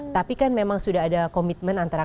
tapi kan memang sudah ada komitmen antara